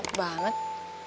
papi selamat suti